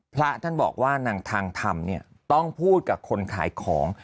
พระท่านบอกว่านางทางธรรมเนี่ยต้องพูดกับคนขายของ